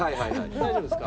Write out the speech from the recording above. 大丈夫ですか？